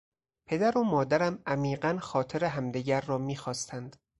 پدر و مادرم عمیقا خاطر همدیگر را میخواستند.